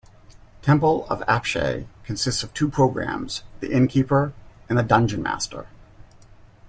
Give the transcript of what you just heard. "Temple of Apshai" consists of two programs; the Innkeeper and the Dunjonmaster.